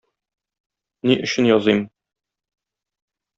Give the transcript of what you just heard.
Ни өчен языйм?